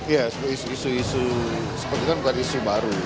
iya isu isu sepertinya bukan isu baru